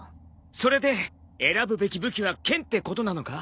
それで選ぶべき武器は剣ってことなのか。